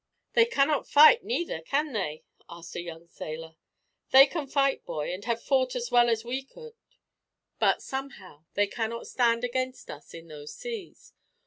"They cannot fight neither, can they?" asked a young sailor. "They can fight, boy, and have fought as well as we could; but, somehow, they cannot stand against us, in those seas.